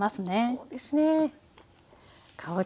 そうですね。